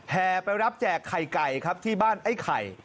แห่ไปรับแจกไข่ไก่ครับที่บ้านไอ้ไข่